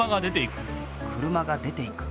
車が出ていく。